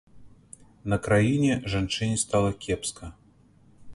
На краіне жанчыне стала кепска.